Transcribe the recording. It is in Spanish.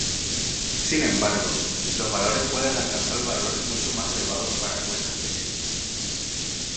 Sin embargo, los valores pueden alcanzar valores mucho más elevados para cuencas pequeñas.